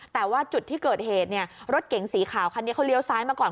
แต่ว่าจุดที่เกิดเหตุเนี่ยรถเก๋งสีขาวคันนี้เขาเลี้ยวซ้ายมาก่อน